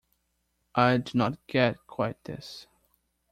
I did not get quite this.